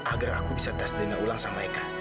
agar aku bisa tes dana ulang sama mereka